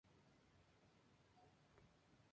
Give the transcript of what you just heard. Posee un automóvil repleto de armamento.